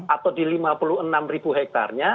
atau di lima puluh enam ribu hektarnya